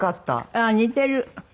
ああ似てる！